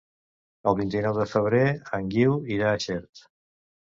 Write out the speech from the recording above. El vint-i-nou de febrer en Guiu irà a Xert.